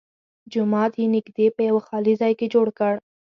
جومات یې نږدې په یوه خالي ځای کې جوړ کړ.